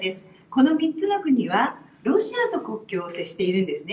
この３つの国はロシアと国境を接しています。